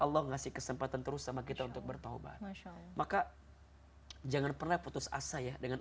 allah ngasih kesempatan terus sama kita untuk bertaubat maka jangan pernah putus asa ya dengan